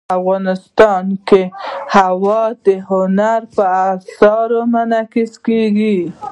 افغانستان کې هوا د هنر په اثار کې منعکس کېږي.